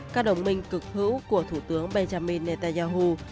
các đồng minh cực hữu của thủ tướng benjamin netanyahu